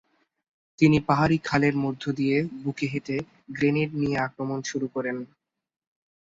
তিনি পাহাড়ি খালের মধ্য দিয়ে বুকে হেঁটে গ্রেনেড নিয়ে আক্রমণ শুরু করেন।